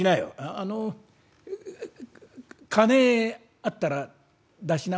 あの金あったら出しな」。